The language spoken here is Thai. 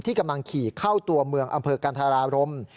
กำลังขี่เข้าตัวเมืองอำเภอกันธรารม